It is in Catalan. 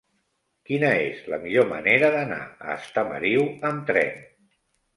Quina és la millor manera d'anar a Estamariu amb tren?